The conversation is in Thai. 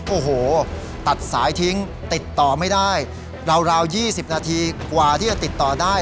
โอ้โหตัดสายทิ้งติดต่อไม่ได้ราว๒๐นาทีกว่าที่จะติดต่อได้